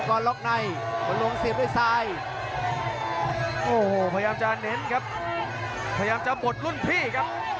โอ้โหพยายามจะเน้นครับพยายามจะบดรุ่นพี่ครับ